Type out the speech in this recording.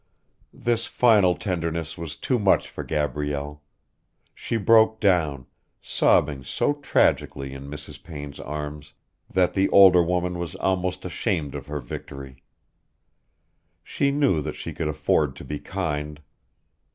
This final tenderness was too much for Gabrielle. She broke down, sobbing so tragically in Mrs. Payne's arms that the older woman was almost ashamed of her victory. She knew that she could afford to be kind.